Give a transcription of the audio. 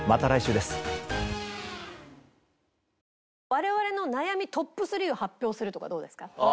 我々の悩みトップ３を発表するとかどうですか？